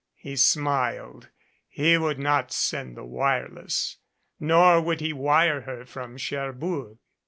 He smiled. He would not send the wireless. Nor would he wire her from Cher bourg.